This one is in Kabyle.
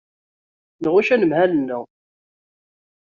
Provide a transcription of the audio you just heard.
Nɣucc anemhal-nneɣ.